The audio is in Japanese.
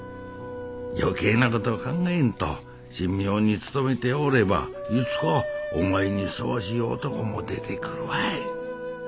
余計なことを考えんと神妙に勤めておればいつかお前にふさわしい男も出てくるわい。